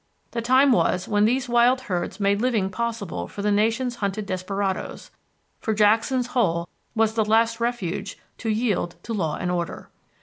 The time was when these wild herds made living possible for the nation's hunted desperadoes, for Jackson's Hole was the last refuge to yield to law and order.